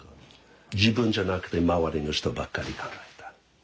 自分じゃなくて周りの人ばっかり考えた。